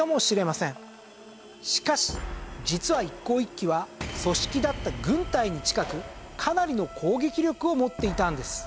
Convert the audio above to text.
しかし実は一向一揆は組織立った軍隊に近くかなりの攻撃力を持っていたんです。